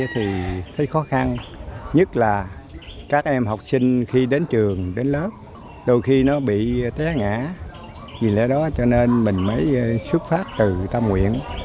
thì thấy khó khăn nhất là các em học sinh khi đến trường đến lớp đôi khi nó bị té ngã vì lẽ đó cho nên mình mới xuất phát từ tâm nguyện